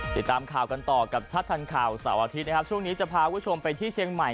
ติดตามข่าวกันต่อกับชาติทางข่าวสาวอาทิตย์ช่วงนี้จะพาผู้ชมไปที่เชียงใหม่